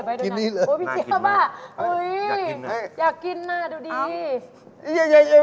อุ๊ยพี่เจี๊ยวล่ะอุ้ยอยากกินนะดูดีอ๋อนี่เลย